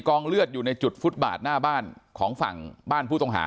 เลือดอยู่ในจุดฟุตบาทหน้าบ้านของฝั่งบ้านผู้ต้องหา